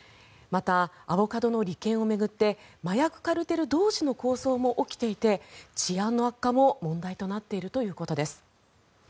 また、アボカドの利権を巡って麻薬カルテル同士の抗争も起きていて治安の悪化も問題となっているということです。